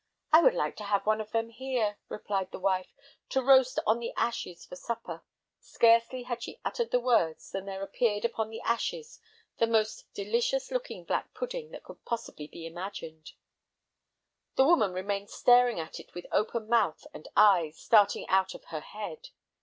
"I would like to have one of them here," replied the wife, "to roast on the ashes for supper." Scarcely had she uttered the words than there appeared upon the ashes the most delicious looking black pudding that could possibly be imagined. The woman remained staring at it with open mouth and eyes starting out of her head.